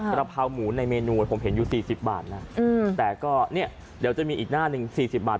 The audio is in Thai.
กระเพราหมูในเมนูผมเห็นอยู่๔๐บาทนะแต่ก็เนี่ยเดี๋ยวจะมีอีกหน้าหนึ่ง๔๐บาท